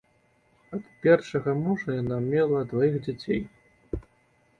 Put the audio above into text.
Ад першага мужа яна мела дваіх дзяцей.